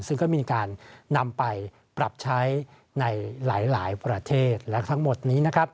ซึ่งก็มีการนำไปปรับใช้ในหลายประเทศและทั้งหมดนี้นะครับ